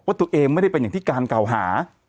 ตัวเองไม่ได้เป็นอย่างที่การกล่าวหา